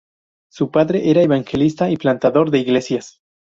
Su padre era un evangelista y plantador de iglesias.